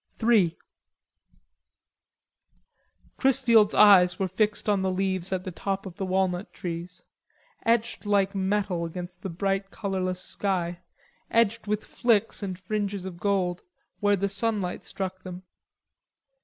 III Chrisfield's eyes were fixed on the leaves at the tops of the walnut trees, etched like metal against the bright colorless sky, edged with flicks and fringes of gold where the sunlight struck them.